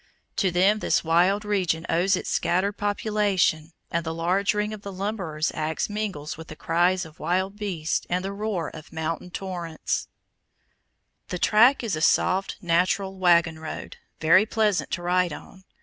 To them this wild region owes its scattered population, and the sharp ring of the lumberer's axe mingles with the cries of wild beasts and the roar of mountain torrents. Pinus Lambertina. The track is a soft, natural, wagon road, very pleasant to ride on.